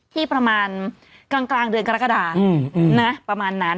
ที่ประมาณกลางเดือนกรกฎาประมาณนั้น